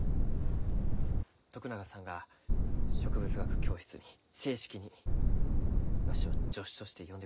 徳永さんが植物学教室に正式にわしを助手として呼んでくださった。